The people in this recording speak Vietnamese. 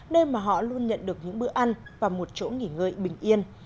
nơi mà họ luôn nhận được những bữa ăn và một chỗ nghỉ ngơi bình yên